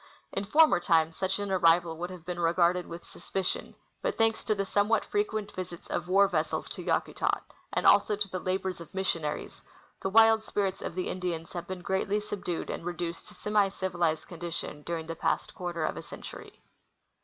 In former times such an arrival would have been regarded with suspicion; but thanks to the somewhat frequent visits of war vessels to Yakutat, and also to the labors of missionaries, the wild spirits of the Indians have been greatly subdued and re duced to semi civilized condition during the past cjuarter of a century.